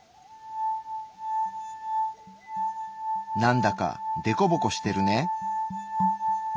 なんだかデコボコしてるね。